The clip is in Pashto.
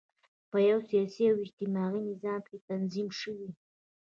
په یوه سیاسي او اجتماعي نظام کې تنظیم شوي.